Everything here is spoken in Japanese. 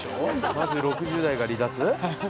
まず６０代が離脱？